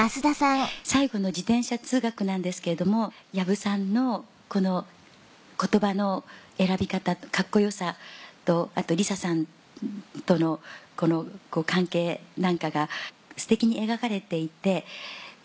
最後の自転車通学なんですけれども矢不さんの言葉の選び方とカッコ良さとりささんとの関係なんかがステキに描かれていて。